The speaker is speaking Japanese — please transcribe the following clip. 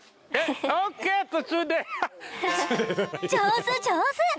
上手上手！